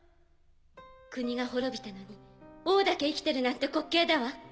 国が亡びたのに王だけ生きてるなんてこっけいだわ。